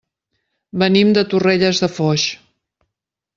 Venim de Torrelles de Foix.